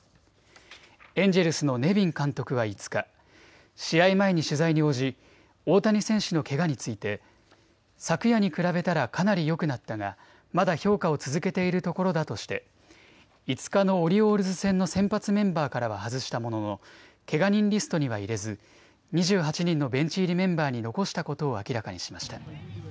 エンジェルスのネビン監督は５日、試合前に取材に応じ大谷選手のけがについて昨夜に比べたらかなりよくなったが、まだ評価を続けているところだとして５日のオリオールズ戦の先発メンバーからは外したもののけが人リストには入れず２８人のベンチ入りメンバーに残したことを明らかにしました。